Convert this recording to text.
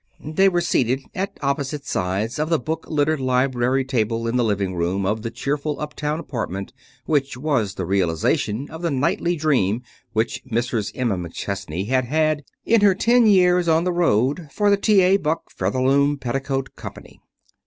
They were seated at opposite sides of the book littered library table in the living room of the cheerful up town apartment which was the realization of the nightly dream which Mrs. Emma McChesney had had in her ten years on the road for the T.A. Buck Featherloom Petticoat Company.